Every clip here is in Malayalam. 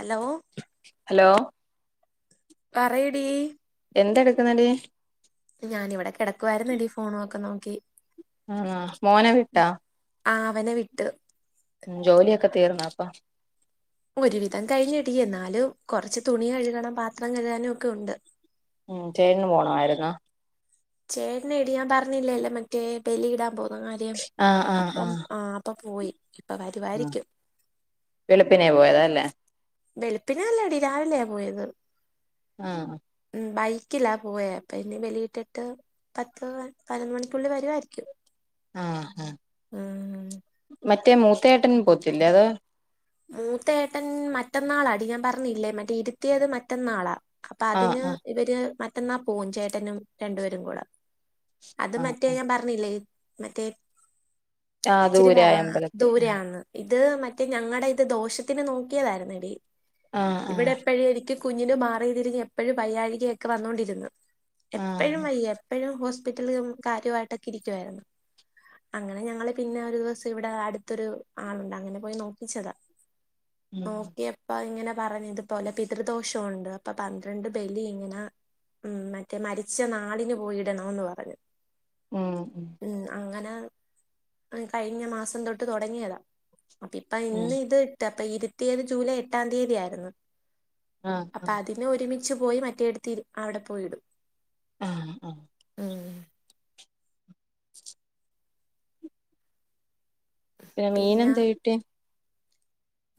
അലോ ഹലോ പറയടീ എന്തെടുക്ക്ന്നെടീ ഞാനിവടെ കിടക്യുവായ്‌ര്ന്നെടീ ഫോണോക്ക നോക്കി ആഹ് മോനെ വിട്ടാ ആഹ് അവനെ വിട്ട് ഉം ജോലിയൊക്കെ തീർന്നാപ്പ ഒരുവിധംകഴിഞ്ഞെടീ എന്നാലും കൊറച്ച് തുണി കഴുകണം പാത്രം കഴുകാനും ഒക്കെ ഉണ്ട് ഉം ചേങ്ങ്പോണായിര്ന്നോ ചേട്ട്ന്ടി ഞാം പറഞ്ഞില്ലേല്ലോ മറ്റേ ബലിയിടാൻ പോ ന്ന കാര്യം ആഹ് ആഹ് അപ്പം ആഹ് അപ്പം പോയി ഇപ്പ വരുവായിരിക്കും വെളുപ്പിനേ പോയതാല്ലേ വെള്പ്പിനേല്ലടി രാവിലെയാ പോയത് ആഹ് ഉം ബൈക്കിലാ പോയേ പ്പഇനി ബലിയിട്ടിട്ട് പത്തൂള്ളൻ പയ്നൊന്ന് മണിക്കുള്ളി വരുവായിരിക്യും ആഹ് ആഹ് മറ്റേ മൂത്തയേട്ടൻ പോവത്തില്ലേ അത് മൂത്തയേട്ടൻ മറ്റന്നാളാടി ഞാ പറഞ്ഞില്ലേ മറ്റേ ഇരുത്തിയത് മറ്റന്നാളാ അപ്പ ആഹ് അതിന് ആഹ് ഇവര് മറ്റന്നാ പോവും ചേട്ടനും രണ്ടുപേരുങ്കൂടെ അത് ആഹ് മറ്റേ ഞാംപറഞ്ഞില്ലേ മറ്റേ ആഹ് ആഹ് ഇച്ചിരി വാ ദൂരായ അമ്പലത്തിൽ ആഹ് ദൂരെയാണ് ഇത് മറ്റേ ഞങ്ങടെ ഇത് ദോഷത്തിന് നോക്കിയതായിരുന്നെടീ ആഹ് ഇവിടെ ആഹ് എപ്പഴ്നിക്ക് കുഞ്ഞിന് മാറീതിരിഞ്ഞ് എപ്പഴും പയ്യാഴികയൊക്കെ വന്നോണ്ടിര്ന്ന് എപ്പഴും ആഹ് വയ്യ പ്പെഴും ഹോസ്പിറ്റല്മ് കാര്യോയ്ട്ടൊക്കെ ഇരിക്യുവായ്ര്ന്ന് അങ്ങനെ ഞങ്ങള് പിന്നെ ഒരു ദിവസം ഇവിടെ അടുത്തൊരു ആളുണ്ട് അങ്ങനെ പോയി നോക്കിച്ചതാ ഉം നോക്കിയപ്പ അഇങ്ങനെ പറഞ്ഞ് ഇത് തോലപിതൃദോഷഒണ്ട് അപ്പൊ പന്ത്രണ്ട് ബലി ഇങ്ങനാ ഉം മറ്റേ മരിച്ച നാളിന് പോയിടണോന്ന് പറഞ്ഞ് ഉം അങ്ങന ഉം കഴിഞ്ഞ മാസം തൊട്ട് തൊടങ്ങിയതാ അപ്പ ഇപ്പ ഉം ഇന്ന് ഇത് ഇട്ട് അപ്പ ഇരുത്തിയത് ജൂലൈ എട്ടാം തീയതിയായിരുന്ന് ആഹ് അപ്പ ആഹ് അതിന് ഒരുമിച്ചു പോയി മറ്റേടുത്തി അവിട പോയിടും ആഹ് ആഹ് ഉം പിന്ന മീനെന്ത് കിട്ടി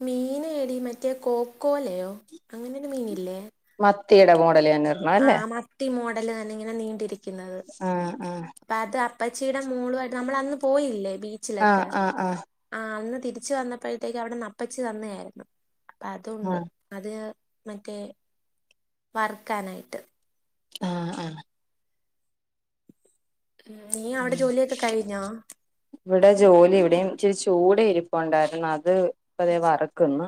മീനേടീ മറ്റേ കോക്കോലയോ അങ്ങനൊരു മീനില്ലേ മത്തിയെട മോഡല് തന്ന ആഹ് മട്ടി മോഡല് തന്നിങ്ങനെ നീണ്ടിരിക്ക്ന്നത് ആഹ് ആഹ് അപ്പോ അത് അപ്പച്ചീട മോളുവായിട്ട് നമ്മളന്ന് പോയില്ലേ ബീച്ചിലൊക്ക ആഹ് ആഹ് ആഹ് ആഹ് അന്ന് തിരിച്ച് വന്നപ്പഴത്തേക്ക് അവിടന്നപ്പച്ചി തന്നേയായിര്ന്ന് അപ്പ അതുണ്ട് അത് മറ്റേ വർക്കാനായിട്ട് ആഹ ആഹ് ഉ നീ അവിടെ ഉം ജോലിയൊക്കെ കഴിഞ്ഞോ ഇവിടെ ജോലി ഇവിടെയും ഇച്ചിരി ചൂട ഇരിപ്പ ഉണ്ടായിരുന്നു അത് ഇപ്പതേ വറക്കുന്നു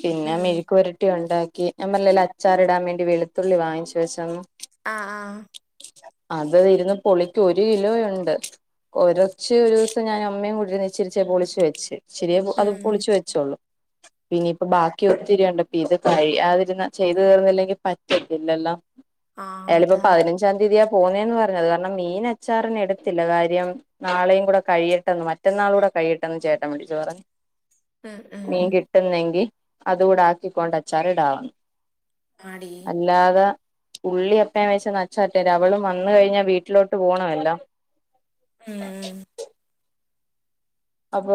പിന്നെ ഉം മെഴുക്ക് പുരട്ടി ഉണ്ടാക്കി ഞാ പറഞ്ഞില്ലേ അച്ചാർ ഇടാൻ വേണ്ടി വെളുത്തുള്ളി വാങ്ങിച്ചു വെച്ച ആഹ ആഹ അത് ഇരുന്ന് പൊളിക്കുവാ ഒരു കിലോ ഉണ്ട് കൊറച്ച് ഒരു ദിവസംഞാനും അമ്മയും കൂടി ഇരുന്ന് പൊളിച്ചു വെച്ച് ഇച്ചിരിയെ അത് ഉം പൊളിച്ചു വെച്ചോളു പിന്നയിപ്പ ബാക്കി ഒത്തിരിണ്ടപ്പ ഇത് കഴിയാതിരുന്ന ചെയ്ത് തീർന്നില്ലെങ്കിൽ പറ്റത്തില്ലല്ലൊ ആ അയാളിപ്പോ അതാ പതിനഞ്ചാം തീയതിയ പോന്നേന്ന് പറഞ്ഞത് കാരണം മീന ച്ചാറിന് എടുത്തില്ല കാര്യം നാളെയും കൂടെ കഴിയിട്ടെന്ന് മറ്റന്നാൾ കൂടെ കഴിയിട്ടും ചേട്ടാൻ വിളിച്ചു പറഞ്ഞു ഉം ഉം മീൻ ഉ കിട്ടുന്നെങ്കി അതുകൂടെ ആക്കിക്കൊണ്ടച്ചാർടാവുന്നു ആഡി അല്ലാതെ ഉള്ളിഒക്കെ ഞാൻ വിചാരിച് അച്ചാർ ഇടന്നു അവള് വന്ന കഴിഞ്ഞ വീട്ടിലോട്ട് ആയാലോ ഉം അപ്പൊ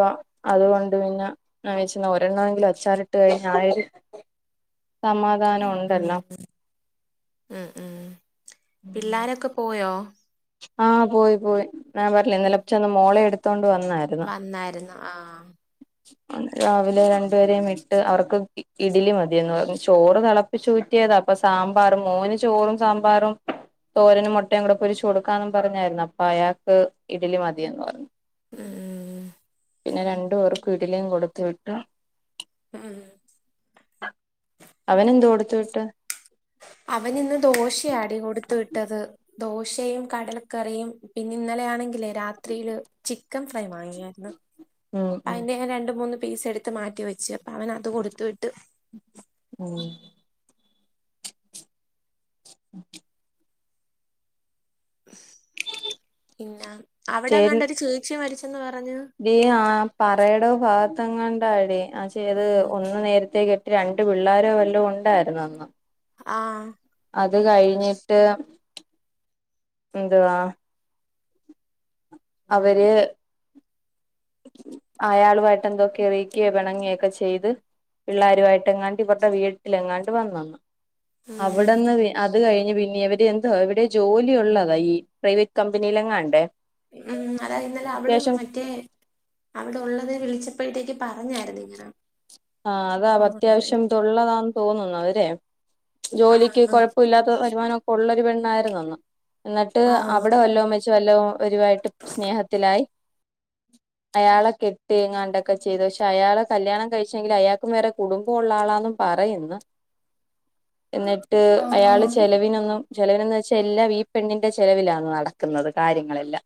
അതുകൊണ്ട് പിന്നെഞാൻ വിചാരിച്ചു ഒരെണ്ണമെങ്കിലും അച്ചാറിട്ട് കഴിഞ്ഞ ആര് സമാധാനം ഉം ഉണ്ടല്ലോ ഉം ഉം പിള്ളോരൊക്കെ പോയോ ആഹ് പോയി പോയി ഞാൻ പറഞ്ഞില്ലേ ഉം. ഇന്നലെ ചെന്ന് മോളെ എടുത്തോണ്ട് വന്നായിരുന്നു വന്നായിരുന്നു ആഹ രാവിലെ രണ്ടുപരെയ വിട്ട് അവർക്ക് ഇഡലി മതിയന്ന് പറഞ്ഞു ചോറ് തിളപ്പി ചുറ്റിയതാ അപ്പൊ സാമ്പാറും മോന് ചോറും സാമ്പാറും തോരനും മുട്ടയും കൂടെ പൊരിച്ചു കൊടുക്കാന്നും പറഞ്ഞായിരുന്നു അപ്പൊ അയാക്ക് ഇഡലി മതിയന്ന് പറഞ്ഞു ഉം പിന്നെ രണ്ടു പേര്ക്ക് ഇഡിലിയും കൊടുത്തു വിട്ട് ആം അവനെന്ത കൊടുത്തു വിട്ട് അവൻ ഇന്ന് ദോശയാടി കൊടുത്തു വിട്ടത് ദോശയും കടലക്കറിയും പിന്നെ ഇന്നലെയ ആണെങ്കില് രാത്രിയില് ചിക്കൻ ഫ്രൈ വാങ്ങിയായിരുന്നു ഉം ഉം അതിന്റെ രണ്ട് മൂന്ന് പീസ് എടുത്ത് മാറ്റി വെച്ചു അപ്പൊ അവൻ അത് കൊടുത്തു വിട്ട് ഉം ഉം [unintelligible] പിന്ന അവിടെങ്ങാണ്ട് ഒരു ചേച്ചി മരിച്ചെന്ന് പറഞ്ഞു ഇ ആ പറയുടെ ഭാഗത്ത് എങ്ങാണ്ടാ അടി ആ ചെയ്ത് ഉം ഒന്ന് നേരത്തേക്ക് രണ്ട് പിള്ളോരോ വല്ല ഉണ്ടായിരുന്നു അന്ന് ആഹ അത് കഴിഞ്ഞിട്ട് എന്തുവാ അവര് അയാളുവായിട്ട് എന്തൊക്കെ വൈറ്റെയ്‌ [unintelligible] യോ ഇണങ്ങ്യക്കെ ചെയ്തു പിള്ളേരുവായിട്ട് എങ്ങാണ്ട് ഇവര്ടെ വീട്ടിലെങ്ങാണ്ട് വന്ന് നിന്നു ഉം അവിടെന്ന് [unintelligible] അത് കഴിഞ്. പിന്നെ ഇവര് എന്താ ഇവിടെ ജോലി ഉള്ളതാ ഈ പ്രൈവറ്റ് കമ്പനീലെങ്ങാണ്ട് ഉം അതായത് നല്ലെ അവള് മറ്റേ അവിടെ ഒള്ളത് വിളിച്ചപ്പോഴത്തേക്ക് പറഞ്ഞായിരുന്നു ഇങ്ങനെ ആഹ് അതാ ആഹ് അത്യാവശ്യം ഇത് ഉള്ളതാന്ന് തോന്നുന്നു അവരെ ജോലിക്ക് കൊ പ്പ ഇല്ലാത്ത വരുമാനം ഒക്കെ ഉള്ളരു പെണ്ണായിരുന്നുന്ന് എന്നിട്ട് ആഹ് അവിടെ വല്ലോ ച്വലവും ഒരുവായിട്ട് സ്നേഹത്തിലായി അയാളെ കെട്ട് ഇങ്ങാണ്ടൊക്കെ ചെയ്തു പക്ഷെ അയാളെ കല്യാണം കഴിച്ച് പക്ഷെ എങ്കിലു അയാൾക്കും വേറെ കുടുംബ ഉള്ള ആളാന്നു പറയുന്നു. എന്നിട്ട് ട്ട് ആഹ് ആഹ് അയാള് ആഹ് ചെലവിനൊന്നും ചെലവിനെന്ന് വെച്ചാ എല്ലാം ഈ പെണ്ണിന്റെ ചെലവിലാണ് നടക്കുന്നത്. കാര്യങ്ങളെല്ലാ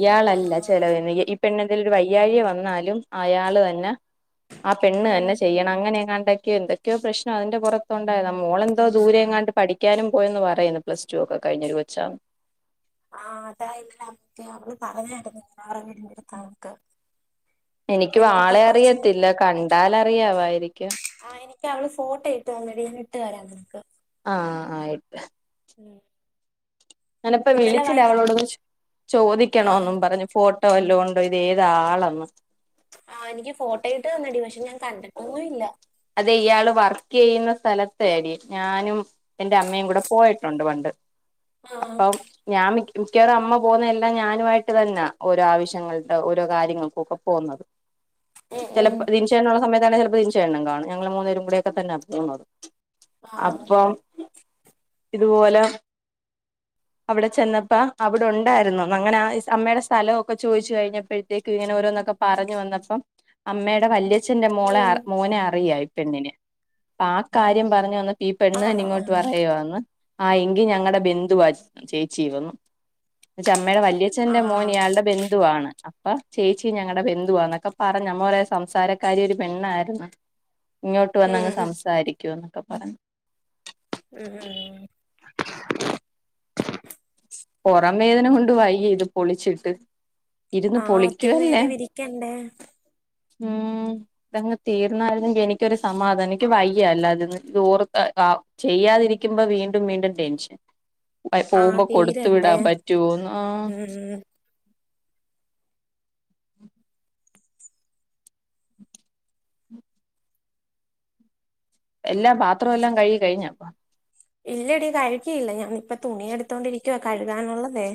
ഇയാളല്ല ആഹ് ചെലവിന് ഈ പെണ്ണിന് എന്തേലും ഒരു വയ്യാഴിക വന്നാലും അയാളെന്നെ ആ പെണ്ണ് ഉം തന്നെ ചെയ്യണം അങ്ങനെങ്ങാണ്ടൊക്കെയോ ഉണ്ട് ക്കെയോ പ്രശ്നം അതിന്റെ പൊറത്തൊണ്ടായതാ മോളെന്തോ ദൂരെ എങ്ങാണ്ട് പഠിക്കാനും പോയന്ന് പറയുന്നു. പ്ലസ് ടു ഒക്കെ കഴിഞ്ഞെ ഒരു കൊച്ചാന്ന് ആഹ് അതാ ഇന്നലെ അക്ക അവള് പറഞ്ഞാര്ന്ന് ആ ഉം എനിക്കും എനിക്കിപ്പം ആളെ കൊറച്ച് അറിയത്തില്ല. കണ്ടാലറിയാവായിരിക്കും ആഹ് എനിക്ക് അവള് ഫോട്ടോ ഇട്ട് തന്ന്ടി ഇട്ട് തരാം നിനക്ക് ആഹ് ആയിട്ട് ഉം ഞാനിപ്പോ വിളിച്ചില്ല അവളോടൊന്ന് ചോദിക്കണം ആഹ് എന്നും പറഞ്ഞ് ഫോട് ട്ടോ വല്ലോം ഉണ്ടോ ഇത് ഏതാ ആളെന്ന് ആഹ് എനിക്ക് ഫോട്ടോ ഇട്ട് തന്ന്ണ്ട്. പക്ഷെ ഞാൻ കണ്ടിട്ടൊന്നു ഇല്ല അതേ ഇയാള് വർക്ക് ചെയ്യുന്ന സ്ഥലത്തേടി ഞാനും എന്റെ അമ്മയും കൂടെ പോയിട്ടുണ്ട് പണ്ട് ആഹ് അപ്പം ഞാൻ മിക്കവാറും അമ്മ പോകുന്ന എല്ലാം ഞാനു ആയിട്ട് തന്നാ ഓരോ ആവശ്യങ്ങൾക്ക് ഓരോ കാര്യങ്ങൾക്കും ഒക്കെ പോകുന്നത് ഉം ഉം ചെലപ്പോ [unintelligible] സമയത്താണേ ചിലപ്പോ [unintelligible] കാണും ഞങ്ങൾ മൂന്ന് പേരും കൂടി ഒക്കെ തന്നാ പോന്നത് ആഹ് അപ്പം ഇതുപോലെ അവിടെ ചെന്നപ്പ അവിടൊണ്ടായിരുന്നു. അങ്ങനെ ആ അമ്മയുടെ സ്ഥല വൊക്കെ ചോയ്ച്ചു കഴിഞ്ഞപ്പോഴ ത്തേക്ക് ഇങ്ങനെ ഓരോന്നൊക്കെ പറഞ്ഞു വന്നപ്പം അമ്മേടെ വല്യ അച്ഛന്റെ മോളെ ഉം മോനെ അറിയാം ഈ പെണ്ണിന് ആഹ് കാര്യം പറഞ്ഞ് വന്ന് ഈ പെണ്ണ് തന്നെ ആണോ ഇങ്ങോട്ട് ആഹ് പറയുവാന്ന് ആഹ് എങ്കി ഞങ്ങടെ ബെന്ധുവാ ചേച്ചി ഇതെന്ന്. ച്ചാ അമ്മേടെ വല്യ അച്ഛന്റെ മോൻ ആഹ് ഇയാൾടെ ബ ന്ദുവാണ്. അപ്പ ചേച്ചി ഞങ്ങടെ ബന്ധുവാന്നൊക്കെ പറഞ്ഞ് അമ്മ കൊറേ സംസാരക്കാരി ഒരു പെണ്ണായ്ര്ന്ന് ഇങ്ങോട്ട് വന്നങ്ങ് ഉം ഉം സംസാരിക്ക്യൂന്നൊക്കെ പറഞ്ഞ് ഉം ഉം [inaudible] പുറം വേദന കൊണ്ട് വയ്യ ഇത് പൊളിച്ചിട്ട് ഇരുന്ന് ആഹ് ഒത്തിരി പൊളിക്കുവല്ലേ നേരം ഇരിക്കെണ്ടേ ഉം ഇതങ്ങ് തീർന്നായിരുന്നെങ്കിൽ എനിക്കൊരു സമാധാനം. എനിക്ക് വയ്യ അല്ല ഇരുന്ന് ഇത് ഓർത്ത ചെയ്യാതിരിക്കുമ്പോ വീണ്ടും വീണ്ടും ടെൻഷൻ ആഹ് പോകുമ്പോ കൊടുത്തു തീരണ്ടേ വിടാൻ പറ്റോന്ന് ആഹ് ഉം എല്ലാം പാത്രം എല്ലാം കഴുകി കഴിഞ്ഞോ ഇല്ലടി. കഴുകിയില്ല ഞാനിപ്പ തുണി എടുത്തോണ്ടിരിക്ക്വ കഴുകാനുള്ളതേ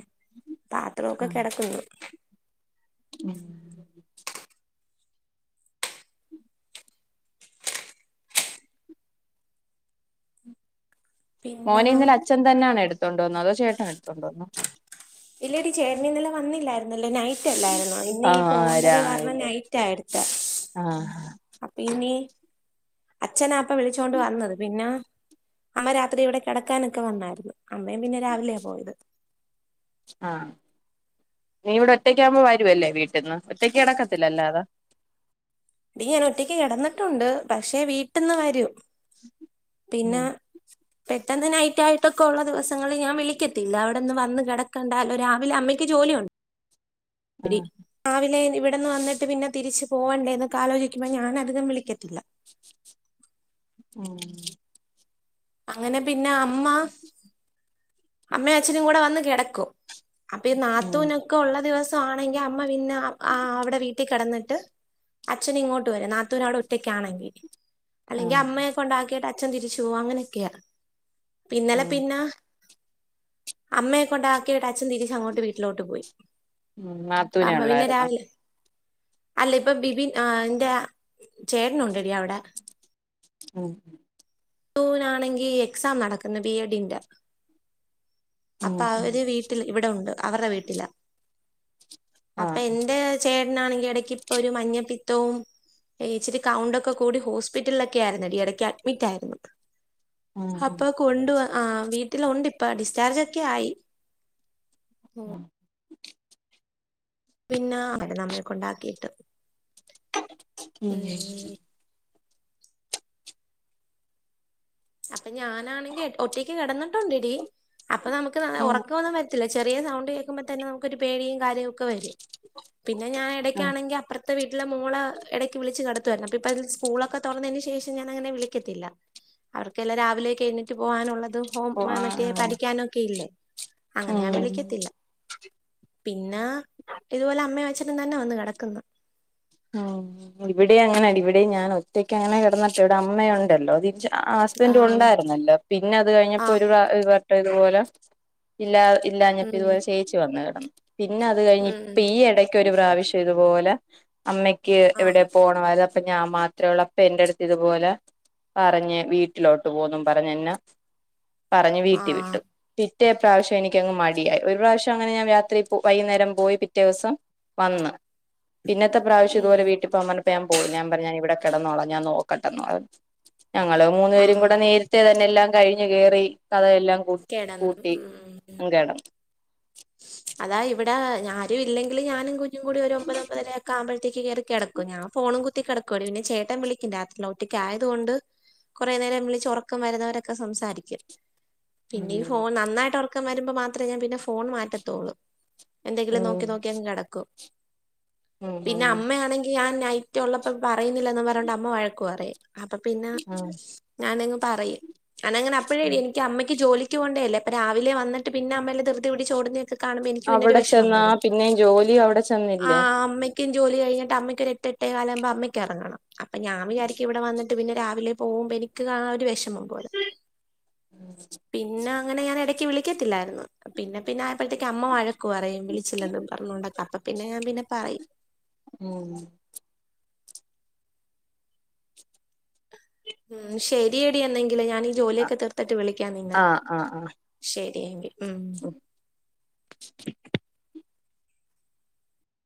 പാത്രം ഒക്കെ കെടക്കുന്ന് ഉം പിന്നെ മോനെ ഇന്നലെ അച്ഛൻ തന്നാണോ എടുത്തോണ്ട് വന്ന. അതോ ചേട്ടൻ എടുത്തോണ്ട് വന്നോ ഇല്ലെടി ചേട്ടൻ ഇന്നലെ വന്നില്ലായിരുന്നല്ലോ നൈ റ്റല്ലാര്ന്നോ ഇന്ന് ഈ ആഹ് പോവണ്ടത് കാരണം രാവിലെ നൈറ്റ് ആ എട്ത്തേ ആഹ് അപ്പ ഇനി അച്ഛനാ പ്പ വിളിച്ചോണ്ട് വന്നത് പിന്നാ അമ്മ രാത്രി ഇവിടെ കെടക്കാനൊക്കെ വന്നാര്ന്ന്. അമ്മയും പിന്നെ രാവിലെയാ പോയത്. ആഹ് നീ ഇവിടെ ഒറ്റക്ക് ആകുമ്പോ വരുവല്ലേ വീട്ടിന്ന് ഒറ്റയ്ക്ക് കെടക്കത്തില്ല അല്ലാതെ ഡീ ഞാൻ ഒറ്റയ്ക്ക് കെടന്നിട്ടുണ്ട്. പക്ഷേ വീട്ട്ന്ന് വരും. [inaudible] പിന്നെ ഉം പെട്ടെന്ന് നൈറ്റ് ആയിട്ടൊക്കെ ഒള്ള ദിവസങ്ങളി ഞാൻ വിളിക്കത്തില്ല. അവിടെന്ന് വന്ന് കെട ക്കാണ്ടാലോ രാവിലെ അമ്മയ്ക്ക് ജോലിയു ആഹ് രാവിലെ ഇവിടുന്ന് വന്നിട്ട് പിന്നെ തിരിച്ച് പോവണ്ടേ എന്നൊക്കെ ആലോചിക്കുമ്പോ ഞാൻ അധികം വിളിക്കത്തില്ല. ഉം അങ്ങനെ പിന്ന അമ്മ അമ്മേം അച്ഛനും കൂടെ വന്ന് കെടക്കും. അപ്പൊ ഈ ഉം നാത്തുനൊക്കൊള്ള ദിവസം സാണെങ്കി അമ്മ പിന്ന അവിടെ വീട്ടി കെടന്നിട്ട് അച്ഛന് ഇങ്ങോട്ട് വരും. നാത്തൂൻ അവിടെ ഒറ്റക്കാണെങ്കി അല്ലെങ്കി ആഹ് അമ്മേ കൊണ്ടാക്കിയിട്ട് അ ച്ചൻ തിരിച്ച് പോവു അങ്ങനെയൊക്കെയാ ഇന്നലെ ഉം പിന്ന അമ്മേ കൊണ്ടാ ക്കിയിട്ട് അച്ഛൻ തിരിച്ച് അങ്ങോട്ട് വീട്ടിലോട്ട് പോയി. ഉം അപ്പ നാത്തൂനെ അമ്മ പിന്നെ ഉള്ളായിരുന്നോ രാവിലെ അല്ല ഇപ്പൊ ബിബിൻ ആഹ് ന്റെ ചേട്ടനുണ്ടെടി അവിടെ ആഹ് ഓനാണെങ്കി എക്സാം നടക്കുന്നു ബിഎഡിന്റെ ഉം അപ്പൊ ഉം അവര് വീട്ടില് ഇവിടെ ഉണ്ട് അവര്ടെ വീട്ടില അപ്പ ആഹ് എൻ്റെ ചേട്ടനാണെങ്കി എടക്ക് ഇപ്പൊ ഒരു മഞ്ഞപ്പിത്തവും ഇച്ചിരി കൗണ്ടൊക്കെ കൂടി ഹോസ്പിറ്റൽലൊക്കെ ആരുന്നടി ഇടയ്ക്ക് അഡ്മിറ്റായിരുന്നു. ഉം ഉം അപ്പൊ കൊണ്ട് വ ആഹ് വീട്ടിലൊണ്ട് ഇപ്പ ഡിസ്ചാർജൊക്കെ ആയി. ഉം പിന്നെ വര്ന്ന് അമ്മേ കൊണ്ടാക്കിയിട്ട്. ഉം അപ്പൊ ഞാനാണെങ്കി ഒറ്റയ്ക്ക് കെടന്നിട്ടുണ്ടെടി. അപ്പൊ നമുക്ക് ഉം ഒറക്കൊവൊന്നും വര ത്തില്ല. ചെറിയ സൗണ്ട് കേക്കുമ്പോ തന്നെ നമുക്ക് ഒരു പേടിയും കാര്യൊക്കെ വരും. പിന്നെ ഞാൻ ഉം എടയ്ക്കാണെങ്കി അപ്പർ ത്തെ വീട്ടിലെ മോള എടക്ക് വിളിച്ച് കെടത്തുവായിരുന്നു. അപ്പ പ്പതിന്ന് സ്കൂളൊക്കെ തൊറന്നേന് ശേഷം ഞാൻ അങ്ങനെ വിളിക്കത്തില്ല. അവർക്കെല്ലാം രാവിലെയൊക്ക എഴുനേറ്റ് പോകാനുള്ളതും ഹോം മറ്റേ പഠിക്കാനൊക്കെ ഇല്ലേ. അങ്ങനെ ഞാൻ ഉം വിളിക്കത്തില്ല. പിന്നാ ഇതുപോലെ അമ്മേം അച്ഛനും തന്നാ വന്നു കെടക്കുന്ന ആഹ് ഇവിടെ അങ്ങനാടി ഇവിടെ ഞാൻ ഒറ്റക്ക് അങ്ങനെ കെടന്നിട്ട് ഇവിടെ അമ്മയുണ്ടല്ലോ ഹസ്ബൻ്റ് ആഹ് ഉണ്ടായിരുന്നല്ലോ പിന്നെ അത് കഴിഞ്ഞപ്പോ ഒരു ആഹ് വെട്ടം ഇതുപോലെ ഇല്ലാ ഇല്ലാഞ്ഞിട്ട് ഉം ഇതു പോലെ ചേച്ചി വന്ന് കെടന്ന് പിന്നെ അത് കഴിഞ്ഞ് ഉം ഇപ്പ ഈ എടയ് ക്കൊരു പ്രാവശ്യം ഇത്പോലെ അമ്മക്ക് ആഹ് എവിടെയോ പോ രാ അപ്പ ഞാൻ മാത്രേള്ളൂ അപ്പൊ എന്റെ അടുത്ത് ഇത്പോലെ പറഞ്ഞ് വീട്ടിലോട്ട് പോന്നും പറഞ്ഞന്നെ പറഞ്ഞ് വീട്ടി ആഹ് വിട്ടു. പിറ്റേ പ്രാവശ്യം എനിക്കങ്ങ് മടിയായി. ഒരു പ്രാവശ്യം അങ്ങനെ ഞാൻ രാത്രി വൈകുന്നേരം പോയി പിറ്റേസം വന്ന് പിന്നത്തെ പ്രാവശ്യം ഇതുപോലെ ഉം വീട്ടിപ്പോവാൻ പർഞ്ഞപ്പോ ഞാൻ പോയില്ല ഞാൻ പറഞ്ഞ് ഞാൻ ഇവിടെ കെടന്നോളാം ഞാൻ നോക്കട്ടെന്നറഞ്ഞ് ഞങ്ങള് മൂന്നു പേരും ആഹ് കൂടെ നേരത്തെ തന്നെ എല്ലാം കഴിഞ്ഞ് കേറി കതകെല്ലാം പൂ കിടന്നു പൂട്ടി ഉം ഉം. അങ്ങ് കെടന്ന്. അതാ ഇവിടെ ആരും ഇല്ലെങ്കില് ഞാനും കുഞ്ഞും കൂടി ഒരു ഒമ്പത് ഒമ്പതരയൊക്കെ ആമ്പഴ്ത്തേക്ക് കേറി കെടക്കും. ഞാ ഫോണും കുത്തിക്കെടക്കുവെടി. പിന്നെ ചേട്ടൻ വിളിക്കും രാത്രില് ഒറ്റക്ക് ആയത് കൊണ്ട് കൊറേ നേരം വിളിച്ച് ഒറക്കം വരുന്നവരൊക്കെ സംസാരിക്കും. പിന്നെ ഈ ഉം ഫോൺ നന്നായിട്ട് ഉറക്കം വരുമ്പോ മാത്രമേ ഞാൻ പിന്നെ ഫോൺ മാറ്റത്തൊള്ളൂ എന്തെങ്കിലും ഉം നോക്കി നോക്കി അങ്ങ് കിടക്കും പിന്നെ ഉം അമ്മയാണെങ്കി ഞാൻ നൈ റ്റിള്ളപ്പോ പറയുന്നില്ലന്ന് പറഞ്ഞോണ്ട് അമ്മ വഴക്കു പറയും അപ്പൊ പിന്നെ ഉം ഞാനങ്ങ് പറയും ഞാനങ്ങനെ അപ്പോഴേടി എനിക്ക് അമ്മക്ക് ജോലിക്ക് പോവണ്ടേല്ലേ പ്പ രാവിലെ വന്നിട്ട് പിന്ന അമ്മല്ല ദൃതി പിടിച്ചോടുന്നയൊക്കെ കാണുമ്പോ എനിക്ക് പിന്നൊരു അവിടെ വിഷമം ചെന്നാ വരും പിന്നെയും ജോലിയും അവിടെ ചെന്നില്ലേ ആഹ് അമ്മ ക്കും ജോലി കഴിഞ്ഞിട്ട് അമ്മക്കൊരു എട്ട് എട്ടേകാലാമ്പോ അമ്മയ്ക്ക് എറങ്ങണം അപ്പൊ ഞാ വിചാരിക്കും ഇവിടെ വന്നി ട്ട് പിന്നെ രാവിലെ പോവുമ്പോ എനിക്ക് ആ രു വിഷമം പോലെ [unintelligible] പിന്നെ അങ്ങനെ ഞാൻ ഇടക്ക് വിളിക്കത്തില്ലായിരുന്നു പിന്നെ പിന്നെ ആയപ്പോഴത്തേക്ക് അമ്മ വഴക്കു പറയും വിളിച്ചില്ലെന്ന് പറഞ്ഞൊണ്ടാ അപ്പൊ പിന്നെ ഞാൻ പിന്നെ പറയും ഉം ഉം ശരിയെടി എന്നെങ്കില് ഞാനീ ജോലിയൊക്കെ തീർത്തിട്ട് വിളിക്ക നിന്നെ ശരിയെങ്കി ഫും